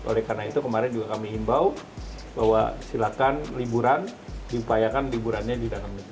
oleh karena itu kemarin juga kami himbau bahwa silakan liburan diupayakan liburannya di dalam negeri